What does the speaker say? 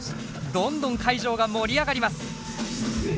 どんどん会場が盛り上がります。